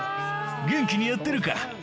元気にやってるか？